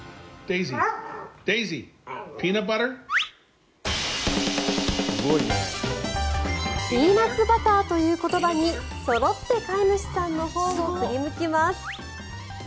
ピーナツバターという言葉にそろって飼い主さんのほうを振り向きます。